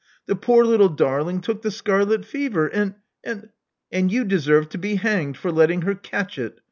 The poor little darling took the scarlet fever; and — and "And you deserve to be hanged for letting her catch it.